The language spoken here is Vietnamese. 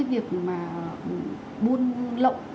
việc buôn lộng